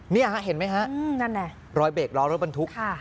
เนี่ยฮะเห็นไหมฮะรอยเบรกร้อรถบันทุก